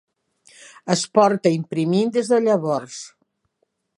Es porta imprimint des de llavors.